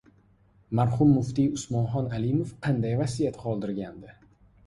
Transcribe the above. Marhum muftiy Usmonxon Alimov qanday vasiyat qoldirgandi?